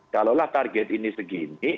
kalau lah target ini segini